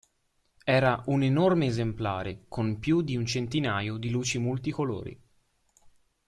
Era un enorme esemplare, con più di un centinaio di luci multicolori.